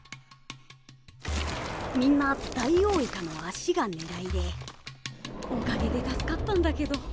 みんなダイオウイカの足が狙いでおかげで助かったんだけど。